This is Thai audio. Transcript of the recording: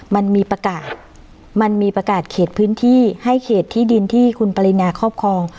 มันมีประกาศมันมีประกาศเขตพื้นที่ให้เขตที่ดินที่คุณปรินาครอบครอง